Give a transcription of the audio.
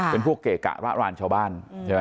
เป็นพวกเกะกะละลานชาวบ้าน